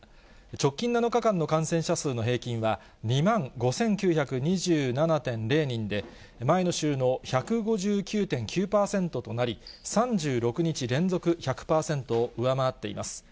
直近７日間の感染者の平均は、２万５９２７．０人で、前の週の１５９．９％となり、３６日連続１００％を上回っています。